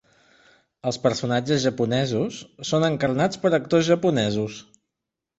Els personatges japonesos són encarnats per actors japonesos.